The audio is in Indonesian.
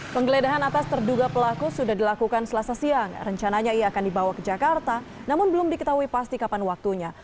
penggeledahan atas terduga pelaku sudah dilakukan selasa siang rencananya ia akan dibawa ke jakarta namun belum diketahui pasti kapan waktunya